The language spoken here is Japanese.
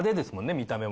見た目も。